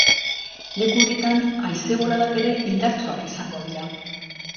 Leku horietan, haize boladak ere indartsuak izango dira.